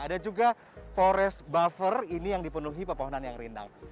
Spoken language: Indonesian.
ada juga forest buffer ini yang dipenuhi pepohonan yang rindang